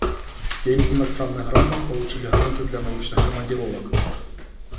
Семь иностранных граждан получили гранты для научных командировок.